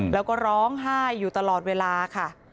แล้วก็ร้องไห้อยู่ตลอดเวลาค่ะ